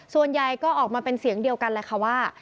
ส่วนใหญ่ก็ออกมาเป็นเสียงเดียวกันแหละค่ะว่า